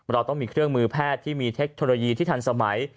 เราต้องมีเครื่องมือแพทย์ที่มีเทคโนโลยีที่ทันสมัย